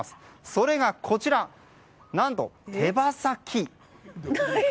それが、こちら何と手羽先。